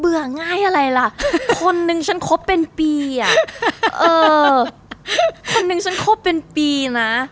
ง่ายอะไรล่ะคนนึงฉันคบเป็นปีอ่ะเออคนนึงฉันคบเป็นปีนะ